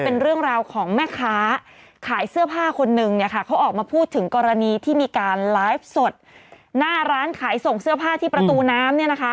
เป็นเรื่องราวของแม่ค้าขายเสื้อผ้าคนนึงเนี่ยค่ะเขาออกมาพูดถึงกรณีที่มีการไลฟ์สดหน้าร้านขายส่งเสื้อผ้าที่ประตูน้ำเนี่ยนะคะ